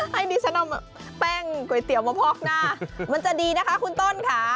ให้ดิฉันเอาแป้งก๋วยเตี๋ยวมาพอกหน้ามันจะดีนะคะคุณต้นค่ะ